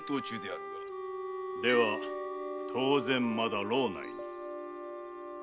では当然まだ牢内に。